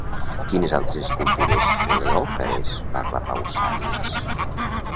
De quines altres escultures de Leòcares parla Pausànies?